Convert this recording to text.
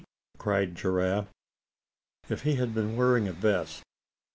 cried Giraffe. If he had been wearing a vest.